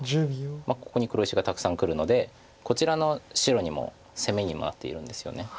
ここに黒石がたくさんくるのでこちらの白にも攻めにもなっているんですよね。